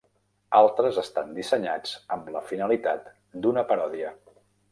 Altres estan dissenyats amb la finalitat d'una paròdia.